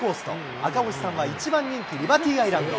赤星さんは１番人気、リバティアイランド。